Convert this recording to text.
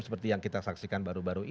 seperti yang kita saksikan baru baru ini